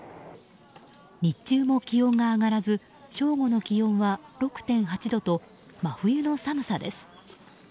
日中も気温が上がらず正午の気温は６．８度と真冬の寒さです。